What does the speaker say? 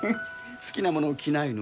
好きなものを着ないの？